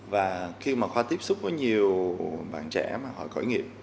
và khi mà khoa tiếp xúc với nhiều bạn trẻ mà họ khởi nghiệp